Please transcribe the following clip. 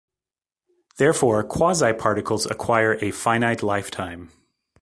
Therefore, quasiparticles acquire a finite lifetime.